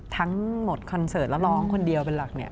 ทั้งหมดคอนเสิร์ตแล้วร้องคนเดียวเป็นหลักเนี่ย